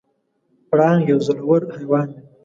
پړانګ یو زړور حیوان دی.